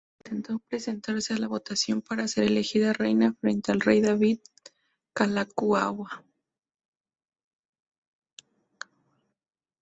Intentó presentarse a la votación para ser elegida reina frente al rey David Kalākaua.